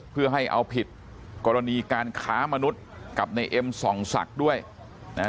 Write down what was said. เพื่อให้เอาผิดกรณีการค้ามนุษย์กับในเอ็มส่องศักดิ์ด้วยนะฮะ